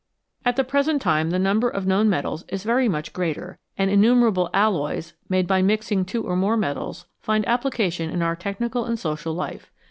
At the present time the number of known metals is very much greater, and innumerable alloys, made by mixing two or more metals, find application in our technical and social life.